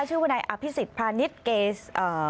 ชื่อบรรยายอภิษฐภานิษฐ์เกส